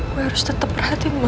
gue harus tetep perhatian mama